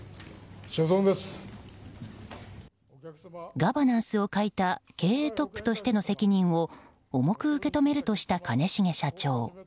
ガバナンスを欠いた経営トップとしての責任を重く受け止めるとした兼重社長。